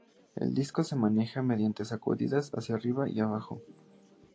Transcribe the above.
El disco se maneja mediante sacudidas hacia arriba y abajo.